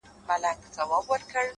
هوښیار انتخاب وخت سپموي.